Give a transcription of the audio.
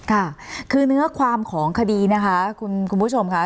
ค่ะคือเนื้อความของคดีนะคะคุณผู้ชมค่ะ